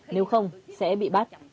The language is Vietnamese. nếu không sẽ bị bắt